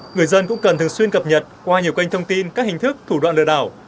người dân cũng cần thường xuyên cập nhật qua nhiều kênh thông tin các hình thức thủ đoạn lừa đảo